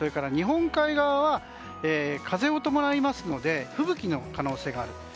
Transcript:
日本海側は風を伴いますので吹雪の可能性がある。